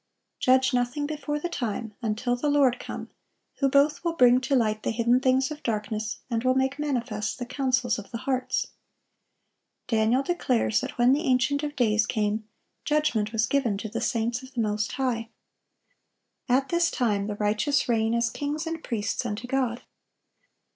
"Judge nothing before the time, until the Lord come, who both will bring to light the hidden things of darkness, and will make manifest the counsels of the hearts."(1149) Daniel declares that when the Ancient of days came, "judgment was given to the saints of the Most High."(1150) At this time the righteous reign as kings and priests unto God.